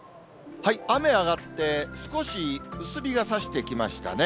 雨上がって、少し薄日がさしてきましたね。